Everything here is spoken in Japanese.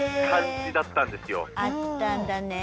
あったんだねえ